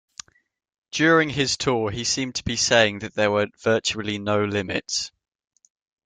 During his tour, he seemed to be saying that there were virtually no limits.